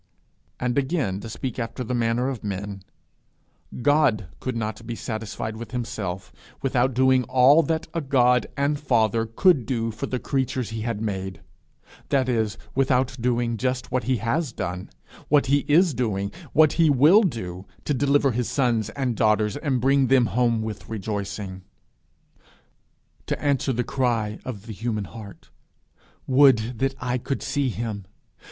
And again to speak after the manner of men: God could not be satisfied with himself without doing all that a God and Father could do for the creatures he had made that is, without doing just what he has done, what he is doing, what he will do, to deliver his sons and daughters, and bring them home with rejoicing. To answer the cry of the human heart, 'Would that I could see him!